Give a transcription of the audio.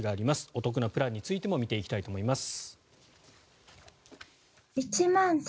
お得なプランについても見ていきたいと思います。